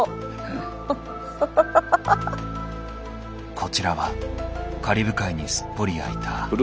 こちらはカリブ海にすっぽりあいた。